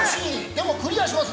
でもクリアします。